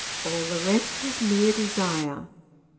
All the rest was mere desire.